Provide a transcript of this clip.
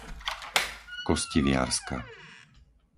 Kostiviarska